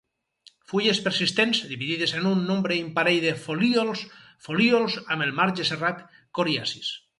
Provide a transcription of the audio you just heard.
Fulles persistents, dividides en un nombre imparell de folíols; folíols amb el marge serrat, coriacis.